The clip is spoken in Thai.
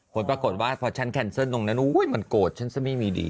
ผลปรากฏว่าพอฉันแคนเซิลตรงนั้นมันโกรธฉันซะไม่มีดี